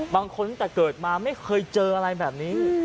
ตั้งแต่เกิดมาไม่เคยเจออะไรแบบนี้